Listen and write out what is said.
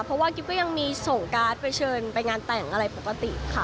เพราะว่ากิ๊บก็ยังมีส่งการ์ดไปเชิญไปงานแต่งอะไรปกติค่ะ